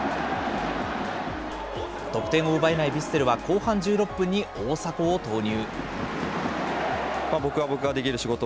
得点を奪えないヴィッセルは後半１６分に大迫を投入。